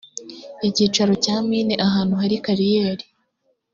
icyicaro cya mine ahantu hari kariyeri